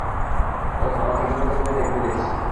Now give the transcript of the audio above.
ওহ, আমাকে বিপদে ফেলে দেখবে দেখছি।